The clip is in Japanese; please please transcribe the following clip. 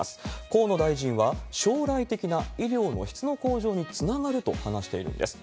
河野大臣は、将来的な医療の質の向上につながると話しているんです。